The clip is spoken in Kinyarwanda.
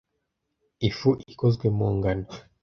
Ifu ikozwe mu ngano.